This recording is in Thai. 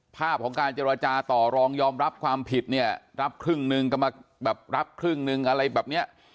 ภาพของการเจราจาต่อรองยอมรับความผิดรับครึ่งหนึ่งอะไรแบบนี้